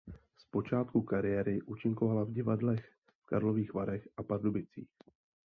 Z počátku kariéry účinkovala v divadlech v Karlových Varech a Pardubicích.